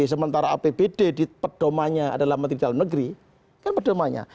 sementara apbd diperdomanya adalah menteri dalam negeri kan perdomanya